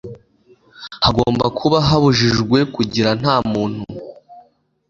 hagomba kuba habujijwe kugera nta muntu